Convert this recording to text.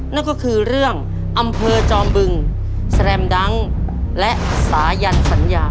นั่นก็คือเรื่องอำเภอจอมบึงแรมดังและสายันสัญญา